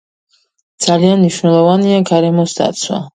ძალიან მნიშვნელოვანია გარემოს დაცვა